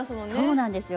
そうなんですよ。